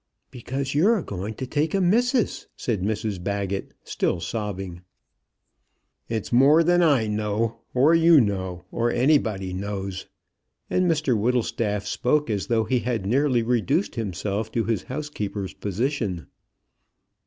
"Because you're going to take a missus," said Mrs Baggett, still sobbing. "It's more than I know; or you know; or anyone knows," and Mr Whittlestaff spoke as though he had nearly reduced himself to his housekeeper's position.